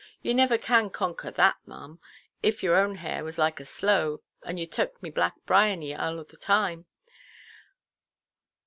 You niver can conquer that, maʼam, if your own hair was like a sloe, and you tuk me black briony arl the time.